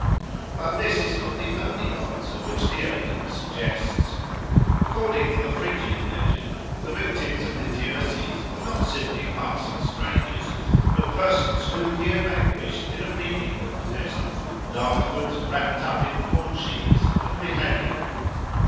But this is not the only answer which the evidence suggests. According to the Phrygian legend the victims of Lityerses were not simply passing strangers, but persons whom he had vanquished in a reaping contest and afterwards wrapt up in corn sheaves and beheaded.